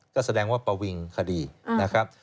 ก็แสดงว่าประวิงคดีนะครับ